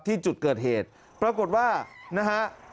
ที่จุดเกิดเหตุปรากฏว่านะฮะ